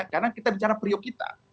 karena kita bicara periuk kita